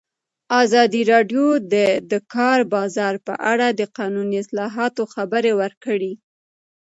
ازادي راډیو د د کار بازار په اړه د قانوني اصلاحاتو خبر ورکړی.